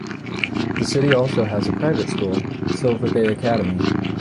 The city also has a private school, Sylva-Bay Academy.